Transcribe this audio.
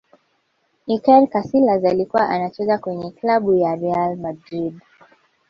iker casilas alikuwa anacheza kwenye klabu ya real madrid